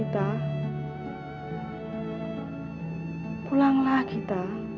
dan pulanglah gita